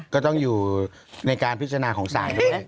ก็ต้องอยู่ในการพิจารณาของศาลด้วย